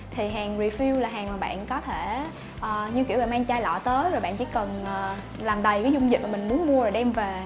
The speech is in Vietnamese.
thì hàng refield là hàng mà bạn có thể như kiểu là mang chai lọ tới rồi bạn chỉ cần làm đầy cái dung dịch mà mình muốn mua rồi đem về